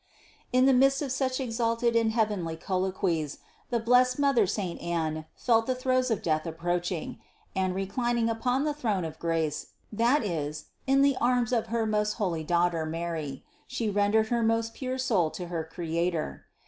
722. In the midst of such exalted and heavenly collo quies the blessed mother saint Anne felt the throes of death approacihing and, reclining upon the throne of grace, that is, in the arms of her most holy Daughter Mary, she rendered her most pure soul to her Creator.